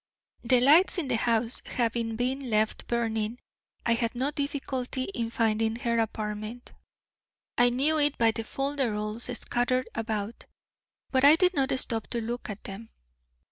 The lights in the house having been left burning, I had no difficulty in finding her apartment. I knew it by the folderols scattered about. But I did not stop to look at them.